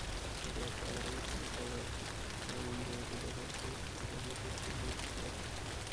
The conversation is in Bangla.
জ্যাক আয়রনস তাঁর বাস্কেটবল খেলার বন্ধু এডি ভেডারকে সেই ডেমো টেপটি দিয়েছিলেন।